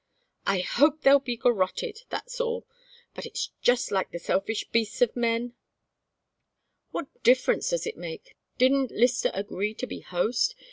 "I hope they'll be garroted! That's all! But it's just like the selfish beasts of men " "What difference does it make? Didn't Lyster agree to be host?